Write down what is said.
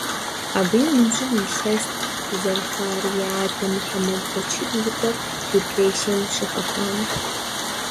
Абы и ныбжьыр илъэст зэрыхъуар и адэ Мухьэмэд Бэчыр и къуэр репрессием щыхэхуам.